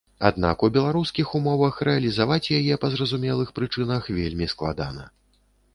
Аднак у беларускіх умовах рэалізаваць яе, па зразумелых прычынах, вельмі складана.